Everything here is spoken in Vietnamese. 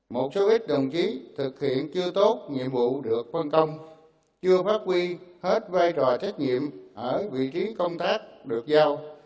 một số ít đồng chí thực hiện chưa tốt nhiệm vụ được phân công chưa phát huy hết vai trò trách nhiệm ở vị trí công tác được giao